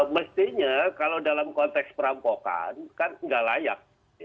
mestinya kalau dalam konteks perampokan kan nggak layak